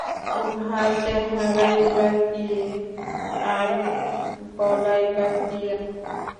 উহার চেহারাই বা কী, আর গলাই বা কী এমন।